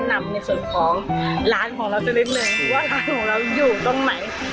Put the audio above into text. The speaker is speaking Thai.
หลานของเราจะลิดเรื่องว่าล้านของเราอยู่ตรงไหน